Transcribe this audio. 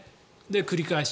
繰り返し。